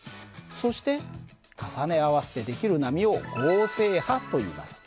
そして重ね合わせて出来る波を合成波といいます。